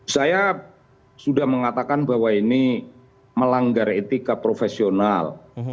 saya sudah mengatakan bahwa ini melanggar etika profesional